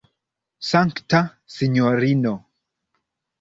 Sankta sinjorino!